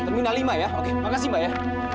terminal lima ya oke makasih mbak ya